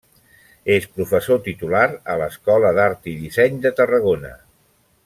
És professor titular a l'Escola d'Art i Disseny de Tarragona.